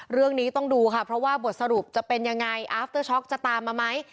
เรื่องนี้ต้องดูค่ะเพราะว่าบทสรุปจะเป็นยังไงอาฟเตอร์ช็อกจะตามมาไหม